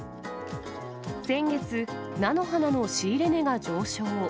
先月、菜の花の仕入れ値が上昇。